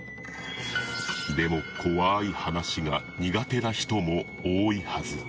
でも、怖い話が苦手な人も多いはず。